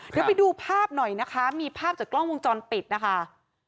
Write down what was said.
เดี๋ยวไปดูภาพหน่อยนะคะมีภาพจากกล้องวงจรปิดนะคะ